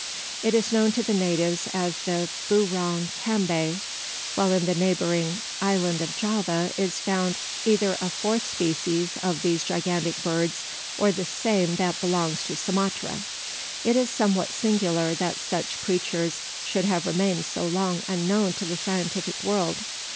It is known to the natives as the "Boorong Cambay;" while in the neighbouring Island of Java is found either a fourth species of these gigantic birds, or the same that belongs to Sumatra. It is somewhat singular that such creatures should have remained so long unknown to the scientific world.